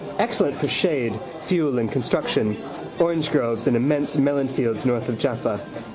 Excellent for shade, fuel and construction. Orangegroves and immense melonfields north of Jaffa.